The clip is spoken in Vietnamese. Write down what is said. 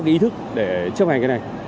ý thức để chấp hành cái này